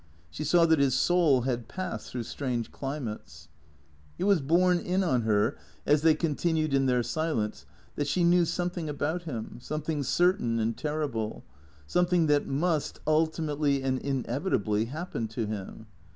She saw that his soul had passed through strange climates. THECEEATOES 195 It was borne in on her, as they continued in their silence, that she knew something about him, something certain and terrible, something that must, ultimately and inevitably, happen to him.